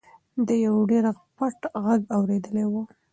ده یو ډېر پټ غږ اورېدلی و.